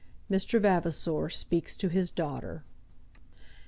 Mr. Vavasor Speaks to His Daughter.